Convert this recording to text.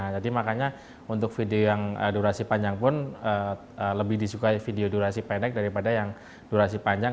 jadi makanya untuk video yang durasi panjang pun lebih disukai video durasi pendek daripada yang durasi panjang